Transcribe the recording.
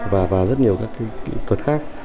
và rất nhiều các kỹ thuật khác